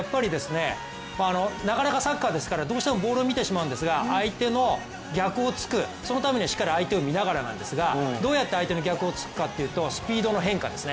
なかなか、サッカーですからボールを見てしまうんですが相手の逆を突く、そのため相手を見ながらなんですがどうやって相手の逆を突くかというとスピードの変化ですね。